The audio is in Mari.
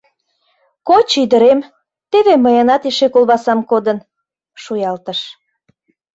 — Коч, ӱдырем, теве мыйынат эше колбасам кодын, — шуялтыш.